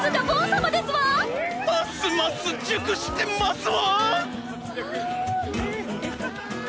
ますます熟してますわ！